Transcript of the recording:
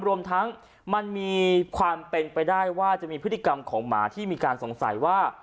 รวมทั้งมันมีความเป็นไปได้ว่าจะมีพฤติกรรมของหมาที่มีการสงสัยว่า